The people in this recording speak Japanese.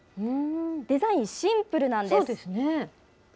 デザインシンプルなんです。